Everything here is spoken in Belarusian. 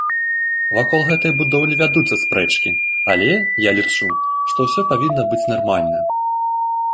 Вакол гэтай будоўлі вядуцца спрэчкі, але, я лічу, што ўсё павінна быць нармальна.